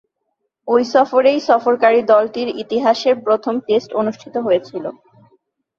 ঐ সফরেই সফরকারী দলটির ইতিহাসের প্রথম টেস্ট অনুষ্ঠিত হয়েছিল।